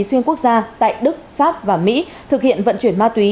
xuyên quốc gia tại đức pháp và mỹ thực hiện vận chuyển ma túy